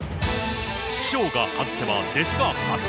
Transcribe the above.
師匠が外せば弟子が勝つ。